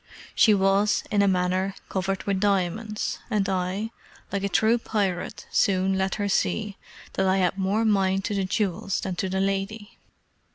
She was, in a manner, covered with diamonds, and I, like a true pirate, soon let her see that I had more mind to the jewels than to the lady.